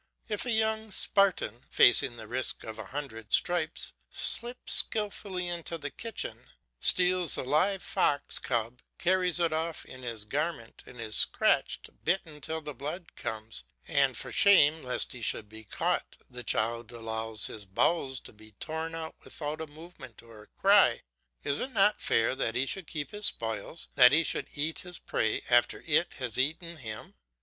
If a young Spartan, facing the risk of a hundred stripes, slips skilfully into the kitchen, and steals a live fox cub, carries it off in his garment, and is scratched, bitten till the blood comes, and for shame lest he should be caught the child allows his bowels to be torn out without a movement or a cry, is it not fair that he should keep his spoils, that he should eat his prey after it has eaten him?